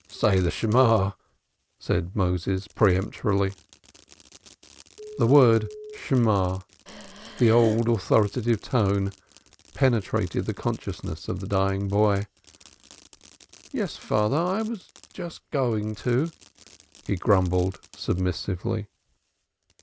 "Say the Shemang!" said Moses peremptorily. The word Shemang, the old authoritative tone, penetrated the consciousness of the dying boy. "Yes, father, I was just going to," he grumbled, submissively.